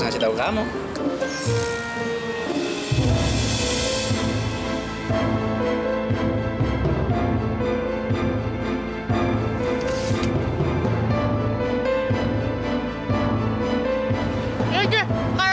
menurut lo kamu apa